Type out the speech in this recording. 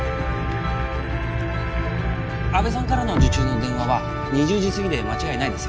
阿部さんからの受注の電話は２０時すぎで間違いないです